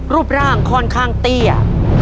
รูปร่างค่อนข้างเตี้ย